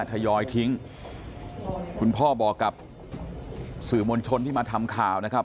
ทยอยทิ้งคุณพ่อบอกกับสื่อมวลชนที่มาทำข่าวนะครับ